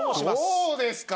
どうですか？